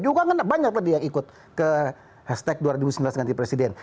juga kan banyak tadi yang ikut ke hashtag dua ribu sembilan belas ganti presiden